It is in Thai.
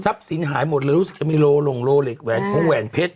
สินหายหมดเลยรู้สึกจะมีโลหลงโลเหล็กแหวนของแหวนเพชร